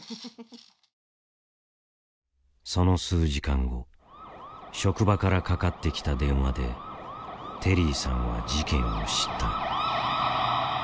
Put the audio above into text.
その数時間後職場からかかってきた電話でテリーさんは事件を知った。